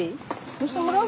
乗してもらう？